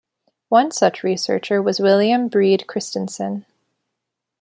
One such researcher was William Brede Kristensen.